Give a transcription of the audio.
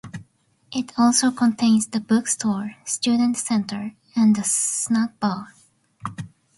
It also contains the bookstore, student center, and snack bar.